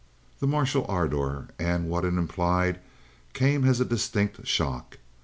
"This martial ardor and what it implied came as a distinct shock.